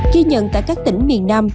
khi nhận tại các tỉnh miền nam